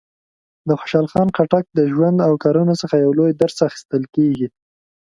د خوشحال خان خټک د ژوند او کارونو څخه یو لوی درس اخیستل کېږي.